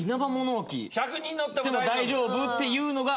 「大丈夫」っていうのが。